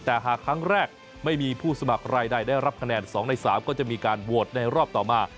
แต่หากครั้งแรกไม่มีผู้สมัครรายใดได้รับคะแนน๒ใน๓ก็จะมีการโหวตในรอบต่อมา